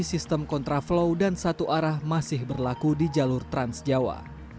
sistem kontraflow dan satu arah masih berlaku di jalur trans jawa